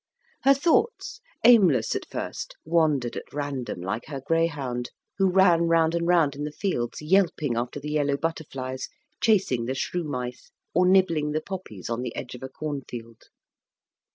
Her thoughts, aimless at first, wandered at random, like her greyhound, who ran round and round in the fields, yelping after the yellow butterflies, chasing the shrew mice, or nibbling the poppies on the edge of a cornfield.